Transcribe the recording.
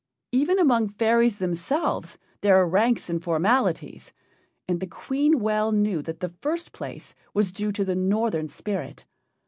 Even among fairies themselves there are ranks and formalities, and the Queen well knew that the first place was due to the Northern spirit.